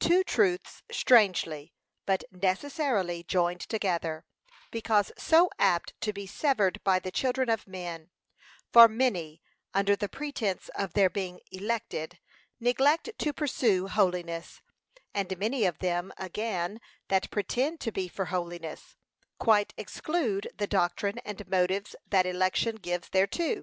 Two truths strangely, but necessarily joined together, because so apt to be severed by the children of men; for many, under the pretence of their being elected, neglect to pursue holiness; and many of them again that pretend to be for holiness, quite exclude the doctrine and motives that election gives thereto.